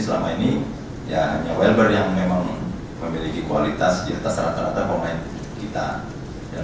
selama ini ya hanya welber yang memang memiliki kualitas di atas rata rata pemain kita